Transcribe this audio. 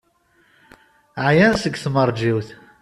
Ɛyan seg tmeṛjiwt.